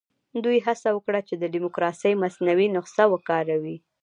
دوی هڅه وکړه چې د ډیموکراسۍ مصنوعي نسخه وکاروي.